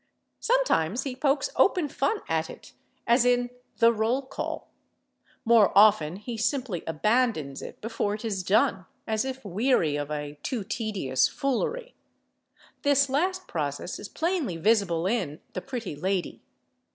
Sometimes he pokes open fun at it, as in "The Roll Call"; more often he simply abandons it before it is done, as if weary of a too tedious foolery. This last process is plainly visible in "The Pretty Lady."